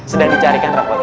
sedang dicarikan rapotnya